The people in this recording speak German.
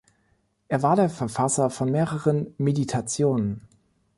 Er war der Verfasser von mehreren "Meditationen".